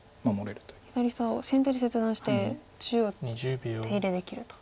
左下を先手で切断して中央手入れできると。